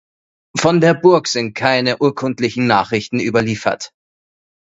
Von der Burg sind keine urkundlichen Nachrichten überliefert.